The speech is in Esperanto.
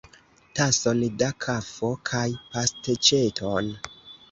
Tason da kafo kaj pasteĉeton!